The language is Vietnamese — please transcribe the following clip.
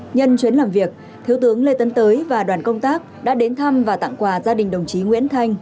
nhân chuyến làm việc thiếu tướng lê tấn tới và đoàn công tác đã đến thăm và tặng quà gia đình đồng chí nguyễn thanh